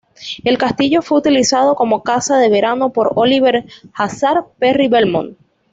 El castillo fue utilizado como casa de verano por Oliver Hazard Perry Belmont.